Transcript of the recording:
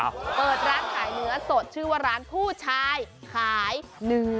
เปิดร้านขายเนื้อสดชื่อว่าร้านผู้ชายขาย